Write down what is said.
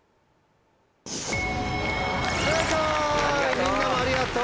みんなもありがとう。